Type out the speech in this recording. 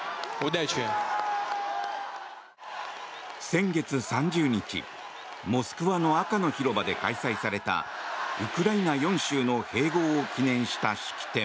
先月３０日モスクワの赤の広場で開催されたウクライナ４州の併合を記念した式典。